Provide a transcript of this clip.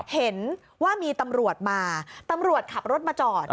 เห็นว่ามีตำรวจมาตำรวจขับรถมาจอด